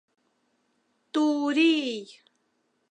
— Ту-урий!